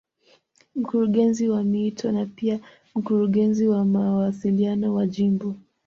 Mkurungezi wa miito na pia Mkurungezi wa mawasiliano wa Jimbo